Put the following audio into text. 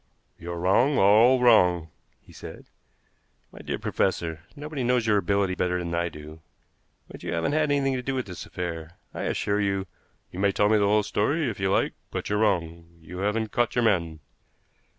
"You're wrong, all wrong," he said. "My dear professor, nobody knows your ability better than I do, but you haven't had anything to do with this affair. I assure you " "You may tell me the whole story, if you like, but you're wrong. You haven't caught your man."